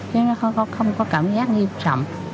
chứ nó không có cảm giác nghiêm trọng